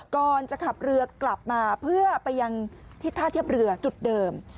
ก่อนจะขับเรือกลับมาเพื่อไปยังที่ท่าเทียบเรือจุดเดิม